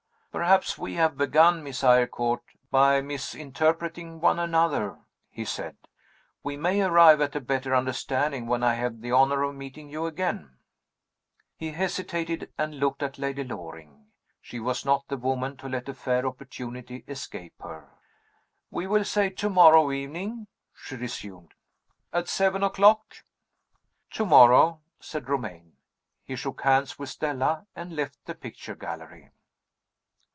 "Perhaps we have begun, Miss Eyrecourt, by misinterpreting one another," he said. "We may arrive at a better understanding when I have the honor of meeting you again." He hesitated and looked at Lady Loring. She was not the woman to let a fair opportunity escape her. "We will say to morrow evening," she resumed, "at seven o'clock." "To morrow," said Romayne. He shook hands with Stella, and left the picture gallery.